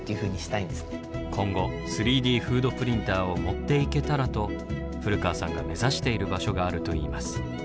今後３Ｄフードプリンターを持っていけたらと古川さんが目指している場所があるといいます。